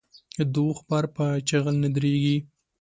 د اوښ بار په چيغل نه درنېږي.